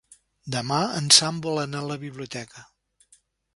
Demà en Sam vol anar a la biblioteca.